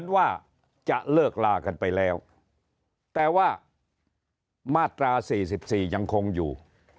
ว่าจะเลิกลากันไปแล้วแต่ว่ามาตรา๔๔ยังคงอยู่